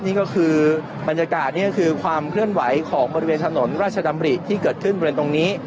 นี่ก็คือบรรยากาศนี่ก็คือความเคลื่อนไหวของบริเวณถนนราชดำริที่เกิดขึ้นบริเวณตรงนี้